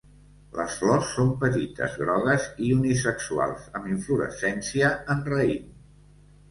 Les flors són petites, grogues i unisexuals, amb inflorescència en raïm.